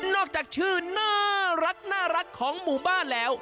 จากชื่อน่ารักของหมู่บ้านแล้ว